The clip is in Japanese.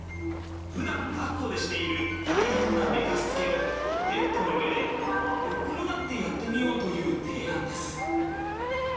ふだんだっこでしている大変な寝かしつけをベッドの上で横になってやってみようという提案です。